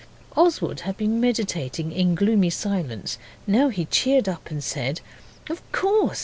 Oswald had been meditating in gloomy silence, now he cheered up and said 'Of course!